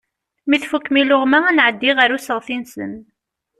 Mi tfukkem iluɣma ad nɛeddi ɣer usteɣsi-nsen.